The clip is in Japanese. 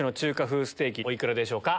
お幾らでしょうか？